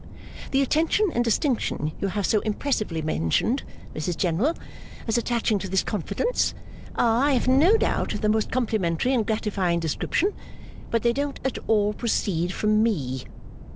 The attention and distinction you have so impressively mentioned, Mrs General, as attaching to this confidence, are, I have no doubt, of the most complimentary and gratifying description; but they don't at all proceed from me.